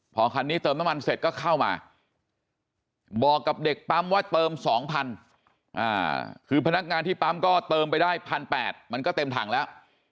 พอคันนี้เติมน้ำมันเสร็จก็เข้ามาบอกกับเด็กปั๊มว่าเติม๒๐๐๐คือพนักงานที่ปั๊มก็เติมไปได้๑๘๐๐มันก็เต็มถังแล้ว